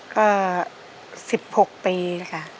ก็๑๖ปีค่ะ